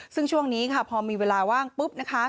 ซึ่งช่วงนี้ค่ะพอมีเวลาว่างปุ๊บนะคะ